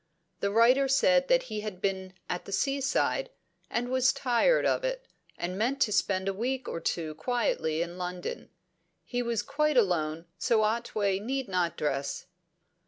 The writer said that he had been at the seaside, and was tired of it, and meant to spend a week or two quietly in London; he was quite alone, so Otway need not dress.